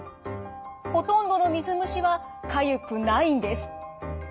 ほとんどの水虫はかゆくないんです。